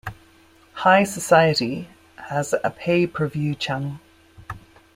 "High Society" has a Pay Per View channel.